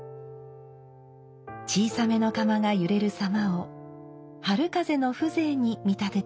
小さめの釜が揺れるさまを春風の風情に見立てています。